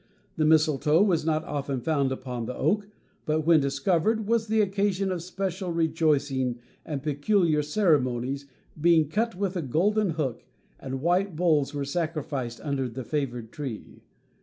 The mistletoe was not often found upon the oak, but when discovered, was the occasion of special rejoicing and peculiar ceremonies, being cut with a golden hook, and white bulls were sacrificed under the favored tree.